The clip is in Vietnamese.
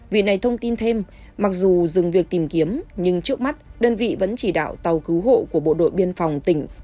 vì này thông tin thêm mặc dù dừng việc tìm kiếm nhưng trước mắt đơn vị vẫn chỉ đạo tàu cứu hộ của bộ đội biên phòng tỉnh